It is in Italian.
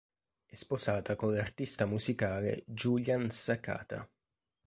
È sposata con l'artista musicale Julian Sakata.